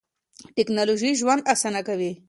ټیکنالوژي ژوند اسانه کوي.